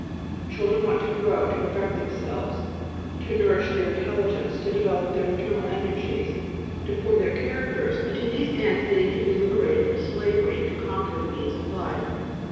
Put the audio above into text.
Children want to grow, to perfect themselves, to nourish their intelligence, to develop their internal energies, to form their characters and to these ends they need to be liberated from slavery, and to conquer "the means of life."